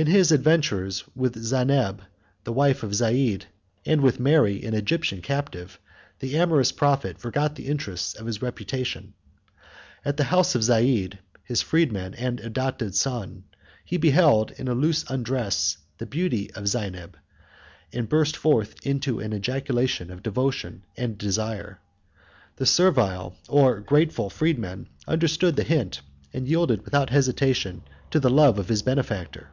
161 In his adventures with Zeineb, the wife of Zeid, and with Mary, an Egyptian captive, the amorous prophet forgot the interest of his reputation. At the house of Zeid, his freedman and adopted son, he beheld, in a loose undress, the beauty of Zeineb, and burst forth into an ejaculation of devotion and desire. The servile, or grateful, freedman understood the hint, and yielded without hesitation to the love of his benefactor.